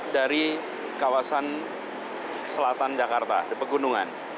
dari kawasan selatan jakarta di pegunungan